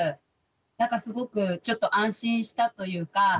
なんかすごくちょっと安心したというか。